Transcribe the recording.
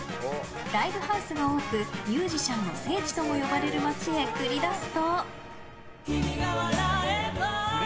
ライブハウスが多くミュージシャンの聖地とも呼ばれる街へ繰り出すと。